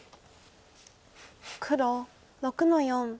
黒６の四。